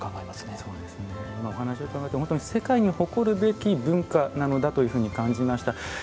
お話を伺って世界に誇るべき文化なのだというふうに感じました。